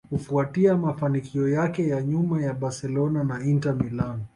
kufuatia mafanikio yake ya nyuma ya Barcelona na Inter Milan